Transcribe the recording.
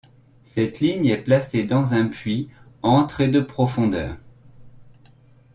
Cette ligne est placée dans un puits, entre et de profondeur.